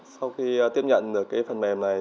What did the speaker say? sau khi tiếp nhận được phần mềm này